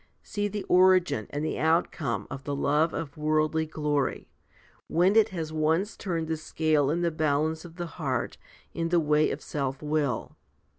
See the origin and the outcome of the love of worldly glory, when it has once turned the scale in the balance of the heart in the way of self will.